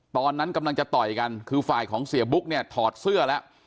ตอนนั้นกำลังจะต่อยกันคือฝ่ายของเสียบุ๊กเนี่ยถอดเสื้อแล้ว